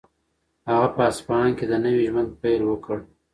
هغه په اصفهان کې د نوي ژوند پیل وکړ.